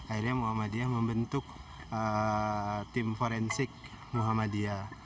akhirnya muhammadiyah membentuk tim forensik muhammadiyah